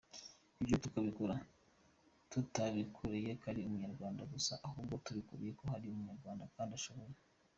Ibyo tukabikora tutabikoreye ko ari Umunyarwanda gusa, ahubwo tubikoreye ko ari Umunyarwanda kandi ushoboye.